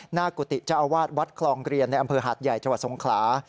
กุฏิเจ้าอาวาสวัดคลองเรียนในอำเภอหาดใหญ่จังหวัดสงขลา